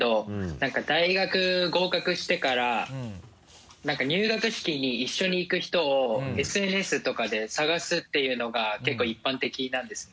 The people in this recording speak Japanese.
何か大学合格してから何か入学式に一緒に行く人をＳＮＳとかで探すっていうのが結構一般的なんですね。